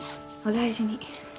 お大事に。